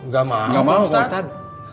gak mau ustadz